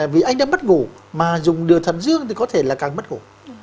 vì anh đã mất ngủ mà dùng điều thận dương thì có thể là càng mất ngủ